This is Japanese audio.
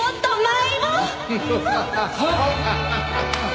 はっ！